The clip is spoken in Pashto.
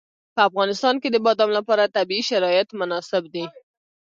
په افغانستان کې د بادام لپاره طبیعي شرایط مناسب دي.